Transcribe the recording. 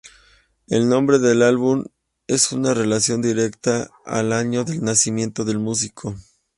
El nombre del álbum es una relación directa al año del nacimiento del músico.